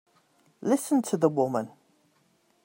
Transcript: Listen to the woman!